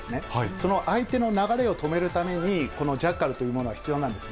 その相手の流れを止めるために、このジャッカルというものは必要なんです。